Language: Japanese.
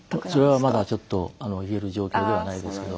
それはまだちょっと言える状況ではないですけど。